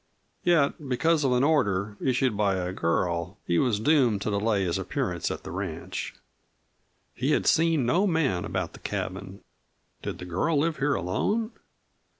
Yet because of an order, issued by a girl, he was doomed to delay his appearance at the ranch. He had seen no man about the cabin. Did the girl live here alone?